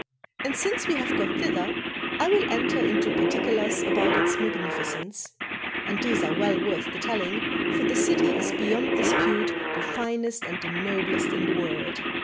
And since we have got thither I will enter into partic ulars about its magnificence; and these are well worth the telling, for the city is beyond dispute the finest and the noblest in the world.